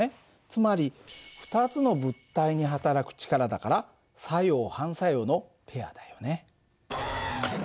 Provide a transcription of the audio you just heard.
つまり２つの物体にはたらく力だから作用・反作用のペアだよね。